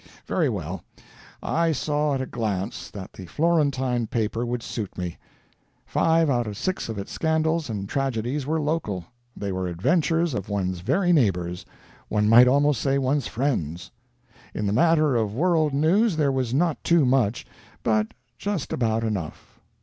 Very well. I saw at a glance that the Florentine paper would suit me: five out of six of its scandals and tragedies were local; they were adventures of one's very neighbors, one might almost say one's friends. In the matter of world news there was not too much, but just about enough.